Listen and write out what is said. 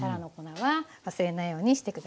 はい。